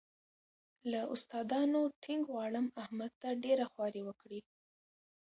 له استادانو ټینګ غواړم احمد ته ډېره خواري وکړي.